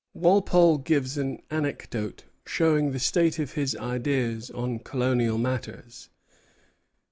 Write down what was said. Walpole gives an anecdote showing the state of his ideas on colonial matters.